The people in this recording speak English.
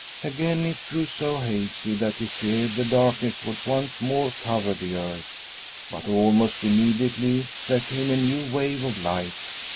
Again it grew so hazy that he feared the darkness would once more cover the earth; but almost immediately there came a new wave of light.